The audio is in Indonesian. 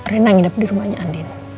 reina hidup di rumahnya andin